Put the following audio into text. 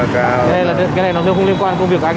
cái này nó không liên quan đến công việc của anh